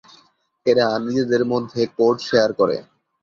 এরা নিজেদের মধ্যে কোড শেয়ার করে।